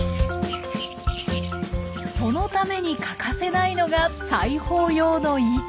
そのために欠かせないのが裁縫用の糸。